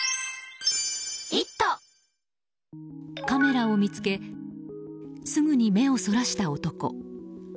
カメラを見つけすぐに目をそらした男。